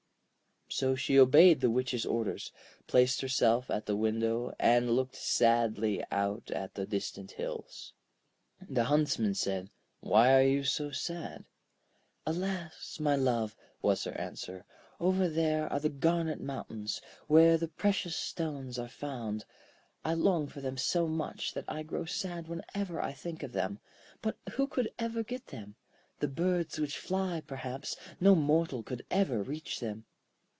So she obeyed the Witch's orders, placed herself at the window, and looked sadly out at the distant hills. The Huntsman said: 'Why are you so sad?' 'Alas! my love,' was her answer, 'over there are the garnet mountains, where the precious stones are found. I long for them so much that I grow sad whenever I think of them. But who could ever get them? The birds which fly, perhaps; no mortal could ever reach them.'